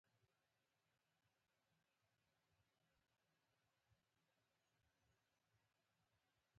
سلطان ګل اکا ویل په هندوستان کې یو ماشوم.